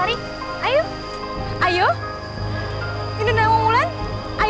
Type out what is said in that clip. mereka sudah berhasil menangkap mereka